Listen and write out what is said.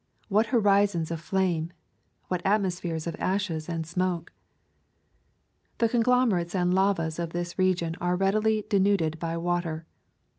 What horizons of flame! What atmospheres of ashes and smoke! The conglomerates and lavas of this region are readily denuded by water.